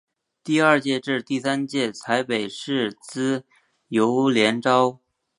第二届至第三届采北市资优联招。